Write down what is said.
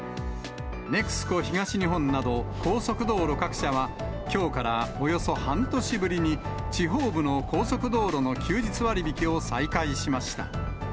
ＮＥＸＣＯ東日本など高速道路各社は、きょうからおよそ半年ぶりに地方部の高速道路の休日割引を再開しました。